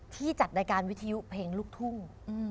ที่จัดรายการวิทยุเพลงลูกทุ่ง